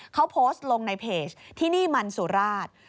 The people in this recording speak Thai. เขาโพสต์ลงในเพจที่นี่มันสุราช